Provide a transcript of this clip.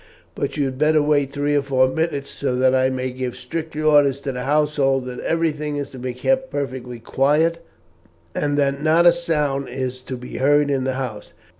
"But you had better wait three or four minutes so that I may give strict orders to the household that everything is to be kept perfectly quiet, and that not a sound is to be heard in the house.